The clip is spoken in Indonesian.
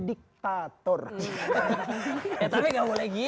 di ke atur g tube nggak boleh gitu gitu mas ghirfan mas ghirfan itu adalah sosok inspiratif